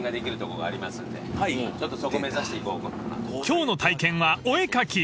［今日の体験はお絵描き］